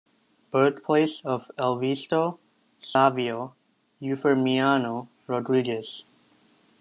Birthplace of Elvisto Savio Euphermiano Rodrigues.